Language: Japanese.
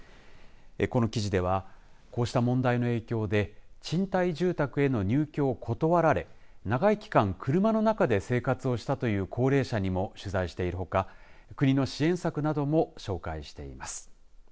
この記事ではこうした問題の影響で賃貸住宅への入居を断られ長い期間、車の中で生活をしたという高齢者にも取材しているほか国の支援策なども紹介しています。